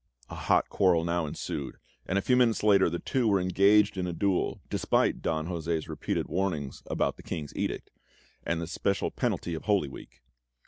A hot quarrel now ensued, and a few minutes later the two were engaged in a duel, despite Don José's repeated warnings about the King's edict, and the special penalty of Holy Week.